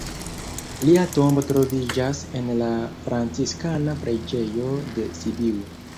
Lia tombo troviĝas en la Franciskana preĝejo de Sibiu.